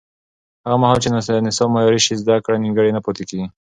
هغه مهال چې نصاب معیاري شي، زده کړه نیمګړې نه پاتې کېږي.